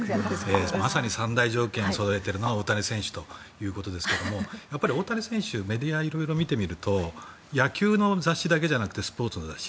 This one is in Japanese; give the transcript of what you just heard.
まさに３大条件をそろえているのは大谷選手ということですがやっぱり大谷選手メディアを色々見てみると野球の雑誌だけじゃなくてスポーツの雑誌